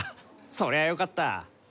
そりゃよかった！